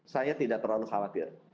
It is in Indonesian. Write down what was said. saya tidak terlalu khawatir